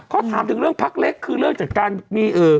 เขาถามถึงเรื่องพักเล็กคือเรื่องจากการมี